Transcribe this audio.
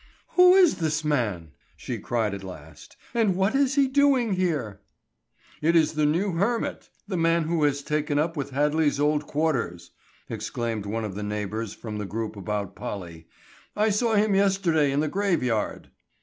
"Who is this man?" she cried at last, "and what is he doing here?" "It is the new hermit! The man who has taken up with Hadley's old quarters," exclaimed one of the neighbors from the group about Polly. "I saw him yesterday in the graveyard."